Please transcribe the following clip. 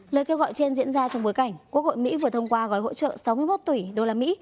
lời kêu gọi trên diễn ra trong bối cảnh quốc hội mỹ vừa thông qua gói hỗ trợ sáu mươi một tỷ đô la mỹ